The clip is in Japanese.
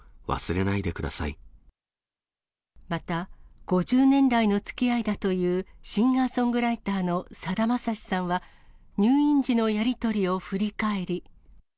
また、５０年来のつきあいだという、シンガーソングライターのさだまさしさんは、入院時のやり取りを振り返り。